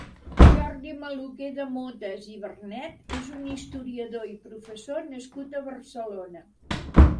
Jordi Maluquer de Motes i Bernet és un historiador i professor nascut a Barcelona.